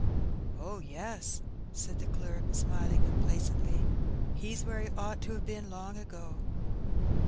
^'Oh, yes/' said the clerk, smiling complacently, ''he's where he ought to have been long ago."